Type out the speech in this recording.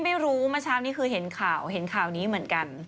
ไม่รู้เมื่อเช้านี้คือเห็นข่าวเห็นข่าวนี้เหมือนกัน